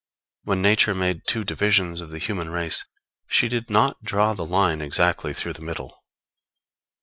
When Nature made two divisions of the human race, she did not draw the line exactly through the middle.